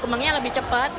kemangnya lebih cepat